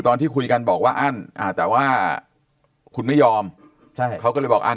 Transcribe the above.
ตอนที่คุยกันบอกว่าอั้นอ่าแต่ว่าคุณไม่ยอมใช่เขาก็เลยบอกอั